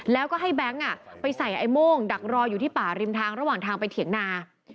แล้วก็ให้แบงค์ไปใส่ไอ้โม่งดักรออยู่ที่ป่าริมทางระหว่างทางไปเถียงนา